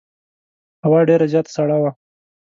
هوا ډېره زیاته سړه وه.